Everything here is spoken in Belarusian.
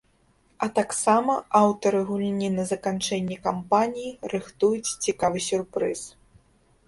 А таксама аўтары гульні на заканчэнне кампаніі рыхтуюць цікавы сюрпрыз.